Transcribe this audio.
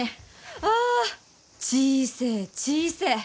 ア小せえ小せえ。